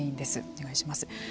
お願いします。